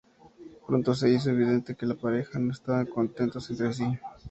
Pronto se hizo evidente que la pareja no estaban contentos entre sí.